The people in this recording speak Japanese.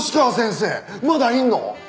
まだいるの？